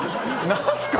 何すか？